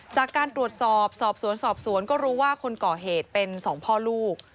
จากการตรวจสอบสอบสวนสอบสวนก็รู้ว่าคนก่อเหตุเป็นสองพ่อลูก